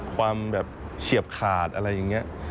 ความแบบเฉียบขาดอะไรอย่างนี้